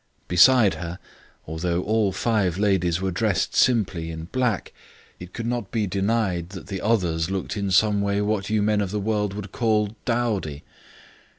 Beside her (although all five ladies were dressed simply in black) it could not be denied that the others looked in some way what you men of the world would call dowdy.